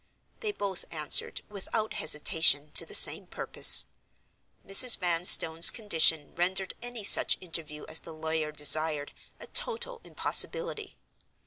They both answered, without hesitation, to the same purpose. Mrs. Vanstone's condition rendered any such interview as the lawyer desired a total impossibility.